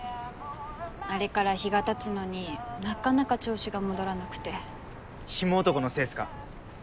あれから日がたつのになかなか調子が戻らなくてヒモ男のせいっすか？